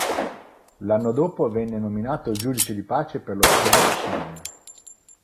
L'anno dopo venne nominato giudice di pace per lo Shropshire.